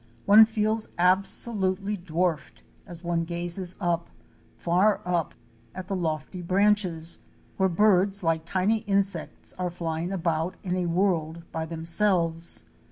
One feels absolutely dwarfed as one gazes up —far up, at the lofty branches, where birds like tiny insects are flying about, in a world by themselves.